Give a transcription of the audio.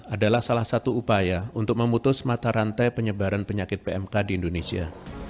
adalah salah satu upaya untuk memutus mata rantai penyebaran penyakit pmk di indonesia